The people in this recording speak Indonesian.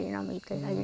iya teti sama pak